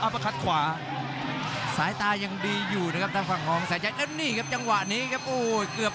รัฐมวยไทยไฟเตอร์